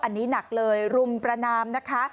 อันนี้หนักเลยรุมประนามนะคะ